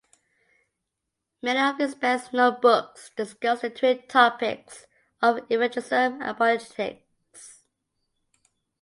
Many of his best known books discuss the twin topics of evangelism and apologetics.